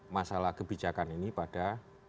masalah kebijakan ini pada